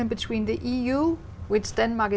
sẽ tiếp tục tương lai